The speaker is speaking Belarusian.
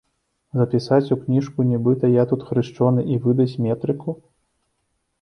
Запісаць у кніжку, нібыта я тут хрышчоны, і выдаць метрыку?